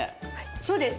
そうです。